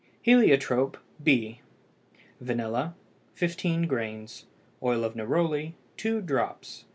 HELIOTROPE, B. Vanilla 15 grains. Oil of neroli 2 drops.